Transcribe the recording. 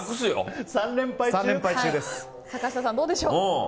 坂下さん、どうでしょう？